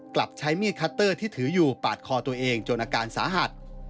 กลับใช้มีดคัตเตอร์ที่ถืออยู่ปาดคอตัวเองจนอาการสาหัส